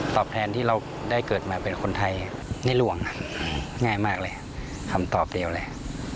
แทนที่เราได้เกิดมาเป็นคนไทยในหลวงง่ายมากเลยคำตอบเดียวเลย